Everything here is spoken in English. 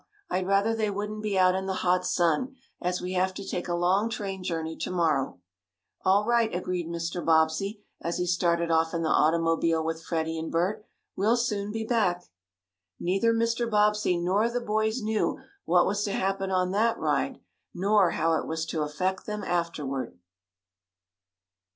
I'd rather they wouldn't be out in the hot sun, as we have to take a long train journey to morrow." "All right," agreed Mr. Bobbsey, as he started off in the automobile with Freddie and Bert. "We'll soon be back." Neither Mr. Bobbsey nor the boys knew what was to happen on that ride, nor how it was to affect them afterward.